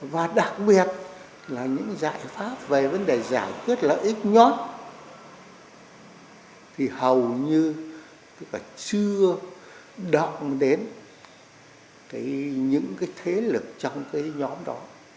và đặc biệt là những giải pháp về vấn đề giải quyết lợi ích nhóm thì hầu như chưa đọng đến những cái thế lực trong cái nhóm đó